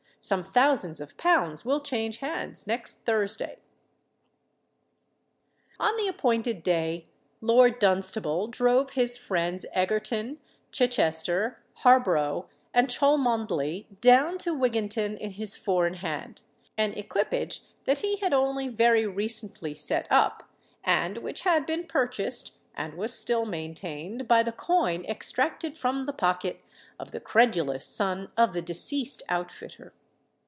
Some thousands of pounds will change hands next Thursday." On the appointed day Lord Dunstable drove his friends Egerton, Chichester, Harborough, and Cholmondeley, down to Wigginton in his four in hand—an equipage that he had only very recently set up, and which had been purchased and was still maintained by the coin extracted from the pocket of the credulous son of the deceased outfitter.